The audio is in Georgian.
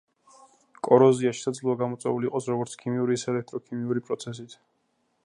კოროზია შესაძლოა გამოწვეული იყოს როგორც ქიმიური ისე ელექტროქიმიური პროცესით.